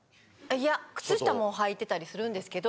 いや靴下も履いてたりするんですけど